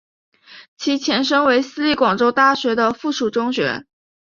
其前身为私立广州大学的附属中学。